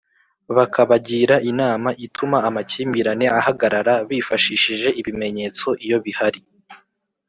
bakabagira inama ituma amakimbirane ahagarara bifashishije ibimenyetso iyo bihari